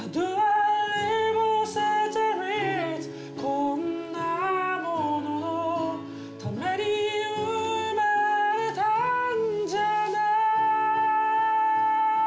「こんなもののために生まれたんじゃない」